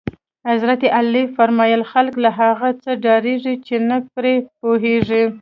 حضرت علی فرمایل: خلک له هغه څه ډارېږي چې نه پرې پوهېږي.